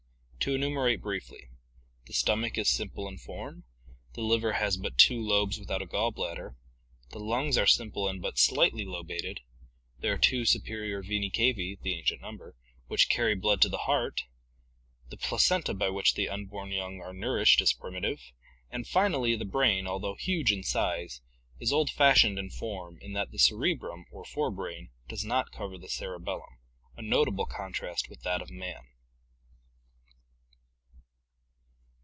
To enumerate briefly : the stomach is simple in form, the liver has but two lobes without a gall bladder, the lungs are simple and but slightly iobated, there are two superior venae cavae (the ancient number) which carry blood to the heart, the placenta by which 580 ORGANIC EVOLUTION the unborn young are nourished is primitive, and finally the brain, although huge in size, is old fashioned in form in that the cerebrum or fore brain does not cover the cerebellum, a notable contrast with that of man.